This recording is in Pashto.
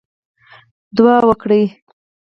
دعا وکړئ